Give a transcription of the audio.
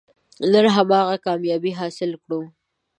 نن هماغه کامیابي حاصله کړو.